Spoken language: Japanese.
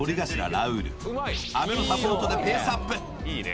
ラウール阿部のサポートでペースアップ